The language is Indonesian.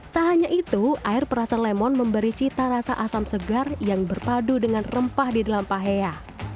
tak hanya itu air perasan lemon memberi cita rasa asam segar yang berpadu dengan rempah di dalam pahea